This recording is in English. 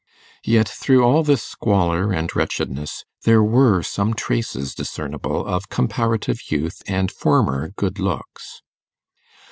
Yet through all this squalor and wretchedness there were some traces discernible of comparative youth and former good looks.